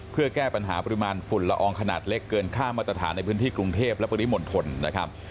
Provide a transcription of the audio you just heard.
เพื่อแก้ปัญหาปริมาณฝุ่นละอองขนาดเล็กเกินค่ามาตรฐานในพื้นที่กรุงเทพและปริมณฑลนะครับ